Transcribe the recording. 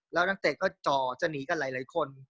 แล้วนักเตะก็จ่อจะหนีกันหลายคน